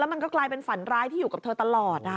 มันก็กลายเป็นฝันร้ายที่อยู่กับเธอตลอด